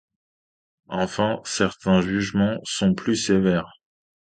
Enfin, certains jugements sont plus sévères.